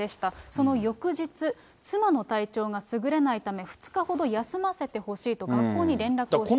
その翌日、妻の体調が優れないため、２日ほど休ませてほしいと学校に連絡をしていたと。